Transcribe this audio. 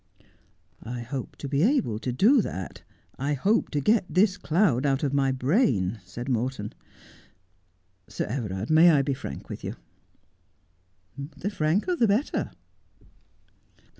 ' I hope to be able to do that. I hope to get this cloud out of my brain,' said Morton. ' Sir Everard, may I be frank with you?' ' The franker the better.'